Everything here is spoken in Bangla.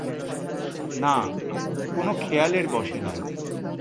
না, কোনো খেয়ালের বশে নয়।